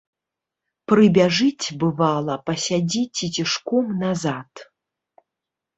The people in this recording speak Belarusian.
Прыбяжыць, бывала, пасядзіць і цішком назад.